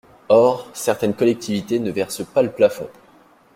Or, certaines collectivités ne versent pas le plafond.